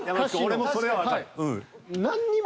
俺もそれはわかる。